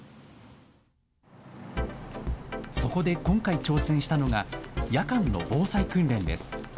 そこで今回、挑戦したのが夜間の防災訓練です。